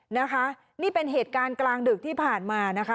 นะคะนี่เป็นเหตุการณ์กลางดึกที่ผ่านมานะคะ